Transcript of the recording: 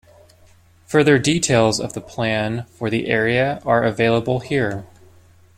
Further details of the plan for the area are available here.